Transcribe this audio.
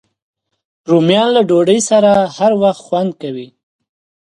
رومیان له ډوډۍ سره هر وخت خوند کوي